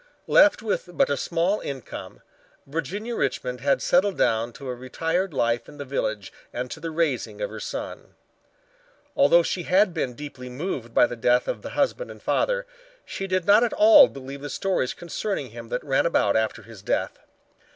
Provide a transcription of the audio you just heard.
Left with but a small income, Virginia Richmond had settled down to a retired life in the village and to the raising of her son. Although she had been deeply moved by the death of the husband and father, she did not at all believe the stories concerning him that ran about after his death.